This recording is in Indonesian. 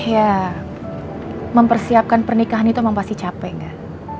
ya mempersiapkan pernikahan itu emang pasti capek enggak